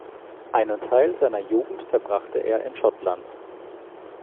Einen Teil seiner Jugend verbrachte er in Schottland.